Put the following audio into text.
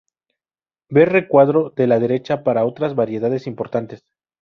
Ver recuadro de la derecha para otras variedades importantes.